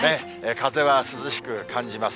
風は涼しく感じます。